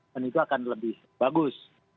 itu akan lebih bagus